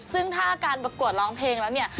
ซึ่งถ้าการประกวดร้องเพลงแล้วเนี่ย